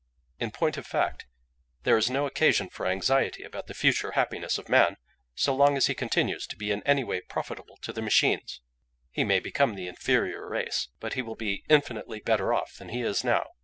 In point of fact there is no occasion for anxiety about the future happiness of man so long as he continues to be in any way profitable to the machines; he may become the inferior race, but he will be infinitely better off than he is now.